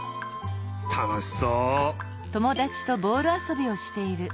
たのしそう！